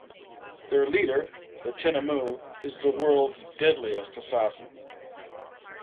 Their leader, the Tinamou, is the world's deadliest assassin.